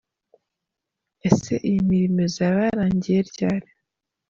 Ese iyi mirimo izaba yarangiye ryari?.